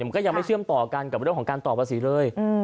มันก็ยังไม่เชื่อมต่อกันกับเรื่องของการต่อภาษีเลย